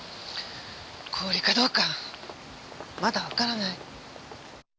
氷かどうかまだわからない。